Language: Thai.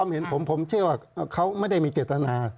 ผมเห็นผมผมเชื่อว่าเขาไม่ได้มีเจตนา